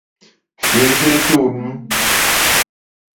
Vevedonu.